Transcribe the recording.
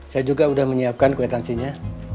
saya juga udah menyiapkan kuetansinya